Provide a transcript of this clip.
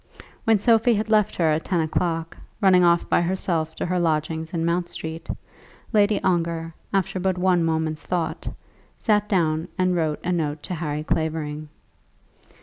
When Sophie had left her at ten o'clock, running off by herself to her lodgings in Mount Street, Lady Ongar, after but one moment's thought, sat down and wrote a note to Harry Clavering.